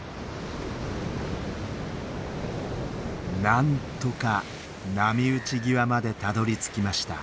なんとか波打ち際までたどりつきました。